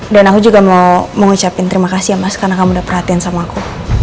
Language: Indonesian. dan aku juga mau mengucapkan terima kasih ya mas karena kamu udah perhatian sama aku